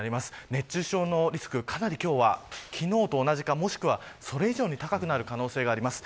熱中症のリスク、かなり今日は、昨日と同じかもしくは、それ以上に高くなる可能性があります。